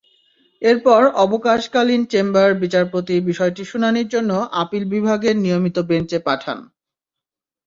এরপর অবকাশকালীন চেম্বার বিচারপতি বিষয়টি শুনানির জন্য আপিল বিভাগের নিয়মিত বেঞ্চে পাঠান।